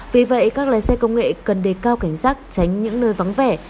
vì vậy các lái xe công nghệ cần đề cao cảnh giác tránh những nơi vắng vẻ